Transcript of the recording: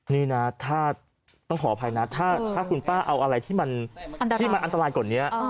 นี่นะถ้าต้องขออภัยนะถ้าคุณป้าเอาอะไรที่มันอันตรายกว่านี้